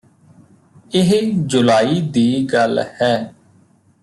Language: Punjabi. ਇਹ ਜੁਲਾਈ ਦੀ ਗੱਲ ਹੈ